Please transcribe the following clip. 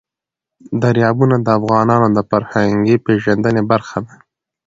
دریابونه د افغانانو د فرهنګي پیژندنې برخه ده.